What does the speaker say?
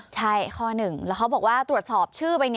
ใช่ข้อหนึ่งแล้วเขาบอกว่าตรวจสอบชื่อไป